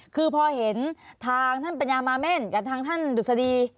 คือพอเห็นทางท่านปัญญามาเม่นกับทางท่านดุษฎี